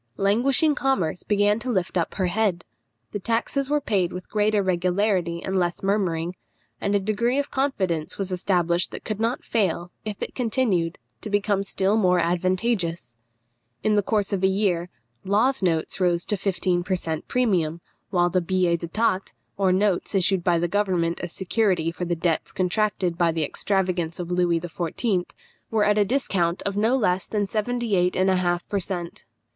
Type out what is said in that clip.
Languishing commerce began to lift up her head; the taxes were paid with greater regularity and less murmuring; and a degree of confidence was established that could not fail, if it continued, to become still more advantageous. In the course of a year, Law's notes rose to fifteen per cent premium, while the billets d'état, or notes issued by the government as security for the debts contracted by the extravagant Louis XIV., were at a discount of no less than seventy eight and a half per cent.